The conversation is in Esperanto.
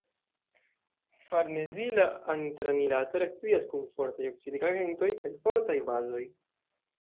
Farnezila antranilato reakcias kun fortaj oksidigagentoj kaj fortaj bazoj.